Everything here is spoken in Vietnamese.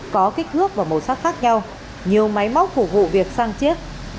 có kích thước và màu sắc khác nhau nhiều máy móc phục vụ việc sang chiết